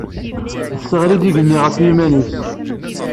Tesseɣli-d igenni ɣef yiman-is.